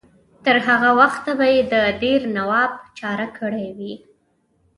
تر هغه وخته به یې د دیر نواب چاره کړې وي.